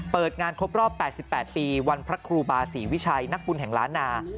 เปิดงานครบรอบ๘๘ปีวันพระครูบาศรีวิชัยนักบุญแห่งล้านนา